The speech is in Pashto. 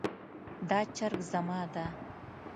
دا چرګ زما ده